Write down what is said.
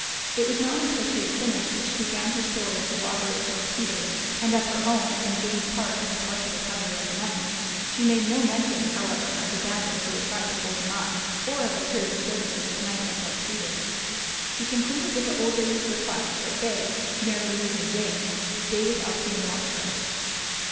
It was not until she had finished that she began her story of the robbery at Dark Cedars and of her own and Jane's part in the partial recovery of the money. She made no mention, however, of the bandit who had tried to hold them up, or of the queer disturbances at night at Dark Cedars. She concluded with the old lady's request that they Mary Louise and Jane stay with Elsie and watch her.